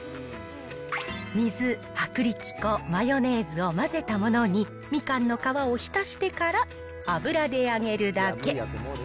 水、薄力粉、マヨネーズを混ぜたものに、みかんの皮を浸してから油で揚げるだけ。